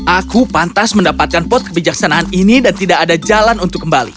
aku pantas mendapatkan pot kebijaksanaan ini dan tidak ada jalan untuk kembali